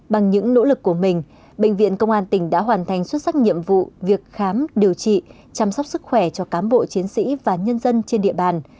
bằng những nỗ lực của mình bệnh viện công an tỉnh đã hoàn thành xuất sắc nhiệm vụ việc khám điều trị chăm sóc sức khỏe cho cán bộ chiến sĩ và nhân dân trên địa bàn